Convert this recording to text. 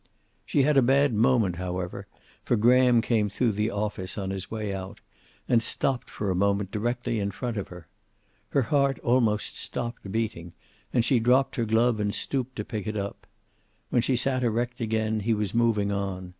She had a bad moment, however, for Graham came through the office on his way out, and stopped for a moment directly in front of her. Her heart almost stopped beating, and she dropped her glove and stooped to pick it up. When she sat erect again he was moving on.